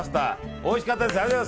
おいしかったです。